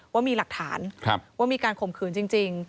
ว่ามีหลักฐานว่ามีการข่มขืนจริง